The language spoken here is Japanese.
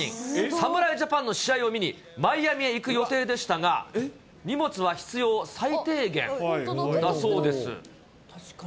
侍ジャパンの試合を見に、マイアミへ行く予定でしたが、荷物は必要最低限だそうです。